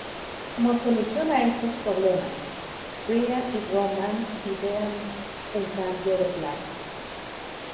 Como solución a estos problemas, Brian y Roman idean un cambio de planes.